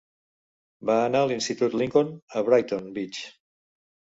Va anar a l'Institut Lincoln, a Brighton Beach.